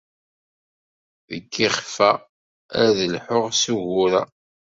Deg yiɣef-a, ad d-lhuɣ s wugur-a.